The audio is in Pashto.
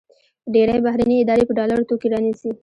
ډېری بهرني ادارې په ډالرو توکي رانیسي.